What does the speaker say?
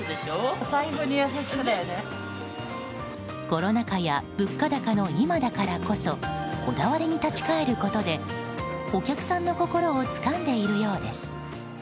コロナ禍や物価高の今だからこそこだわりに立ち返ることでお客さんの心をつかんでいるようです。